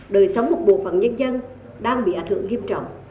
đời sống một bộ phận nhân dân đang bị ảnh hưởng nghiêm trọng